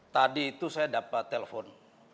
tadi itu saya dapat telepon